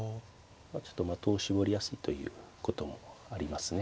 ちょっと的を絞りやすいということもありますね。